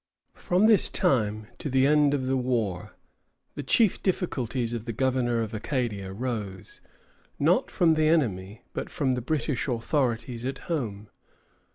From this time to the end of the war, the chief difficulties of the governor of Acadia rose, not from the enemy, but from the British authorities at home.